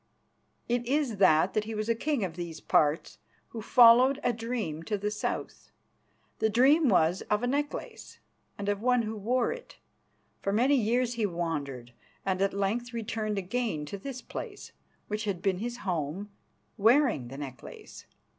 It is that he was a king of these parts, who followed a dream to the south. The dream was of a necklace, and of one who wore it. For many years he wandered, and at length returned again to this place, which had been his home, wearing the necklace.